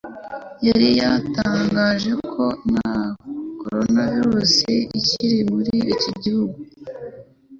yari yatangaje ko "Nta coronavirus ikiri muri iki gihugu"